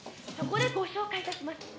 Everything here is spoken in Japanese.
「そこでご紹介いたします」